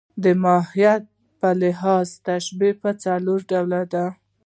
د ماهیت په لحاظ تشبیه پر څلور ډوله ده.